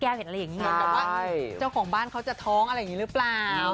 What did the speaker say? ว่าเจ้าของบ้านเขาจะท้องอะไรอย่างนี้หรือเปล่า